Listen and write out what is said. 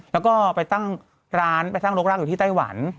แล้วก็ไปตั้งร้านไปตั้งรกรากอยู่ที่ไต้หวัน